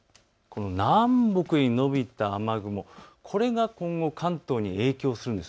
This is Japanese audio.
南北に延びた雨雲、これが今後関東に影響するんです。